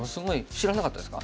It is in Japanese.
知らなかったですか？